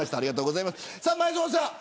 前園さん